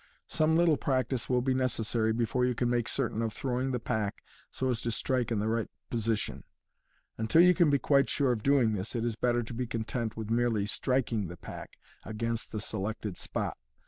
Some little practice will be necessary before you can make certain of throwing the pack so as to strike in the right position. Until you can be quite sure of doing this, it is better to be content with merely striking the pack against the selected spot.